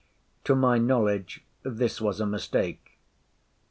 To my knowledge this was a mistake.